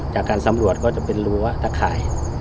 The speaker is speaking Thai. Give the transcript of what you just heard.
จากการสำรวจก็จะเป็นรั้วตะข่าย